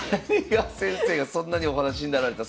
谷川先生がそんなにお話になられた。